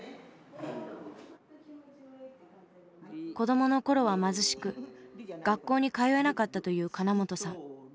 子どもの頃は貧しく学校に通えなかったと言う金本さん。